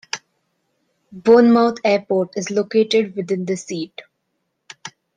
Bournemouth airport is located within the seat.